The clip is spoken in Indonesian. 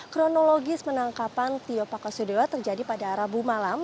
kronologis penangkapan tio pakasudewa terjadi pada rabu malam